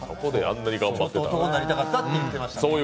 男になりたかったって言ってました。